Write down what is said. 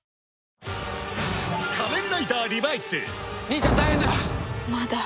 兄ちゃん大変だ！